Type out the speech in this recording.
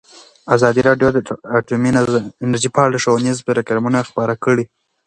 ازادي راډیو د اټومي انرژي په اړه ښوونیز پروګرامونه خپاره کړي.